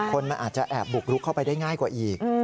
คนมันอาจจะแอบบุกรุกเข้าไปได้ง่ายกว่าอีก